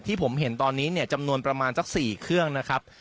ผมเห็นตอนนี้เนี่ยจำนวนประมาณสัก๔เครื่องนะครับ